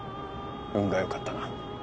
運がよかったな